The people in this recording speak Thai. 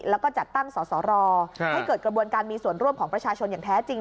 แล้วก็จัดตั้งสสรให้เกิดกระบวนการมีส่วนร่วมของประชาชนอย่างแท้จริง